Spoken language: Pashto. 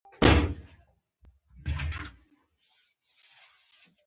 د رشتو شمېر تر زېږېدو د مه د مور په نس کې جوړېږي.